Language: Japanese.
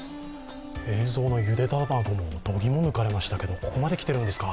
映像のゆで卵もどぎもを抜かれましたけど、ここまで来ましたか。